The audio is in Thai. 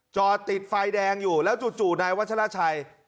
จอดติดไฟแดงอยู่แล้วจู่นายวัชราชัย